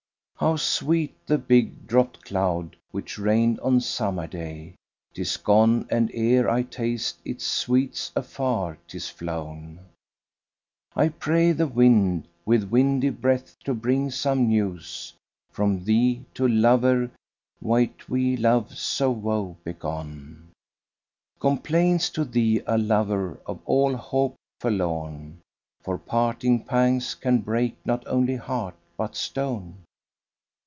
How sweet the big dropped cloud which rained on summer day; * 'Tis gone and ere I taste its sweets afar 'tis flown: I pray the wind with windy breath to bring some news * From thee, to lover wightwi' love so woe begone Complains to thee a lover of all hope forlorn, * For parting pangs can break not only heart but stone."